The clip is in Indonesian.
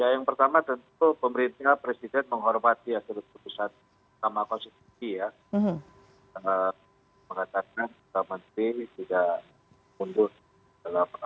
yang pertama tentu pemerintah presiden menghormati asal putusan sama ksp ya